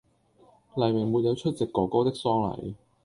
黎明沒有出席“哥哥”的葬禮